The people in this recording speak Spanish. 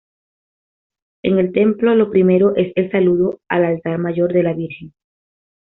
En el templo lo primero es el saludo al altar mayor de la Virgen.